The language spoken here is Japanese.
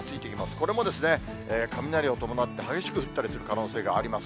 これも雷を伴って激しく降ったりする可能性があります。